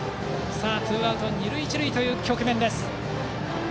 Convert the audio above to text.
ツーアウト二塁一塁という局面。